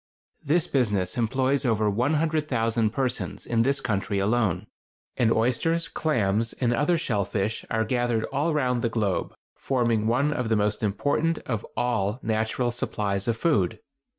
This business employs over 100,000 persons in this country alone; and oysters, clams, and other shell fish are gathered all round the globe, forming one of the most important of all natural supplies of food.